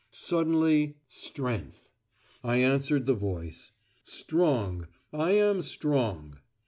Suddenly, "Strength." I answered the voice. "Strong. I am strong."